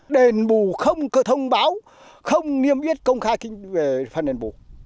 đền bù không có thông báo không niêm yết công khai về phần đền bù